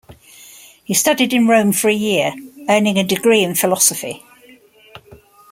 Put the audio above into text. He studied in Rome for a year, earning a degree in philosophy.